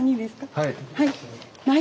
はい。